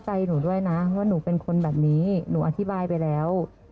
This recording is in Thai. ใจหนูด้วยนะว่าหนูเป็นคนแบบนี้หนูอธิบายไปแล้ว